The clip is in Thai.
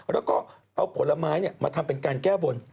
แล้วก็เอาผลไม้มาทำเป็นการแก้บน